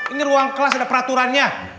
ini ruang kelas ada peraturannya